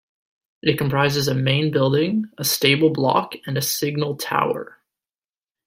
It comprises a main building, a stable block and a signal tower.